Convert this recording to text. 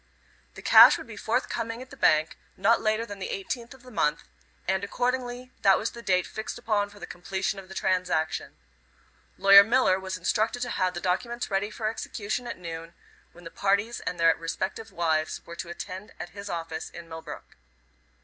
The cash would be forthcoming at the bank not later than the 18th of the month, and accordingly that was the date fixed upon for the completion of the transaction. Lawyer Miller was instructed to have the documents ready for execution at noon, when the parties and their respective wives were to attend at his office in Millbrook.